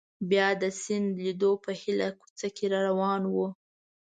بیا د سیند لیدو په هیله کوڅه کې را روان وو.